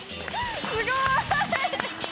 すごい！